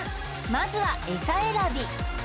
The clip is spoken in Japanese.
まずはエサ選び